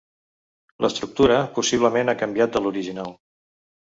L’estructura possiblement ha canviat de l’original.